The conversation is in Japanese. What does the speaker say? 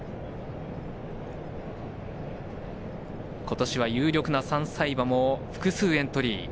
今年は有力な３歳馬も複数エントリー。